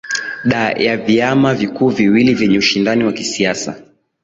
da ya viama vikuu viwili vyeye ushindani wa kisiasa